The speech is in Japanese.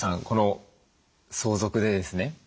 この相続でですね